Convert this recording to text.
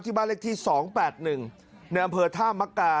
บ้านเลขที่๒๘๑ในอำเภอท่ามกา